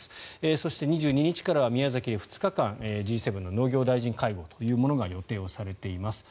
そして、２２日からは宮崎で２日間Ｇ７の農業大臣会合が予定されています。